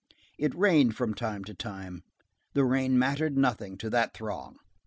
It rained from time to time; the rain mattered nothing to that throng.